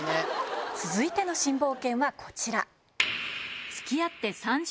続いての新冒険はこちら。